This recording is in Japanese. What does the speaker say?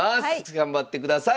頑張ってください。